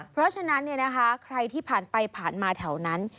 เพราะฉะนั้นใครที่ผ่านไปผ่านมาแถวนั้น